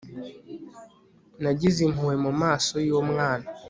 nagize impuhwe mumaso yumwana